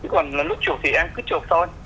còn lúc chụp thì em cứ chụp thôi